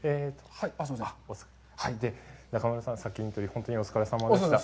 中丸さん、砂金採り、本当にお疲れさまでした。